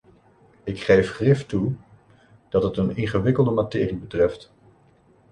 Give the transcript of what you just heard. Ik geef grif toe dat het een ingewikkelde materie betreft.